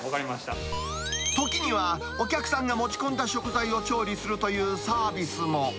時には、お客さんが持ち込んだ食材を調理するというサービスも。